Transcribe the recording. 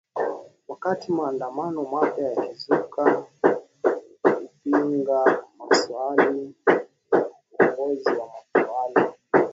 wakati maandamano mapya yakizuka kupinga masalia ya uongozi wa mtawala huyo